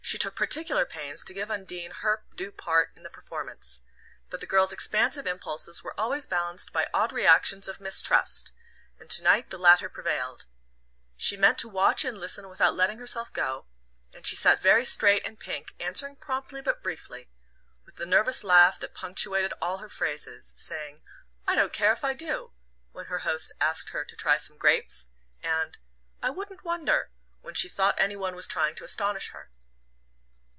She took particular pains to give Undine her due part in the performance; but the girl's expansive impulses were always balanced by odd reactions of mistrust, and to night the latter prevailed. She meant to watch and listen without letting herself go, and she sat very straight and pink, answering promptly but briefly, with the nervous laugh that punctuated all her phrases saying "I don't care if I do" when her host asked her to try some grapes, and "I wouldn't wonder" when she thought any one was trying to astonish her.